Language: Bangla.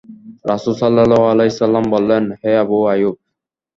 রাসূলুল্লাহ সাল্লাল্লাহু আলাইহি ওয়াসাল্লাম বললেন, হে আবু আইয়ূব!